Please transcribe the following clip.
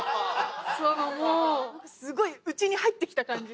そのもうすごいうちに入って来た感じ。